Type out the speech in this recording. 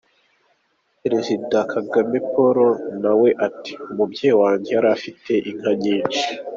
Perezida Kagame Paul nawe ati “Umubyeyi wanjye yari afite inka nyinshi.